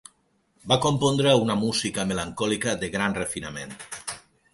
Va compondre una música melancòlica de gran refinament.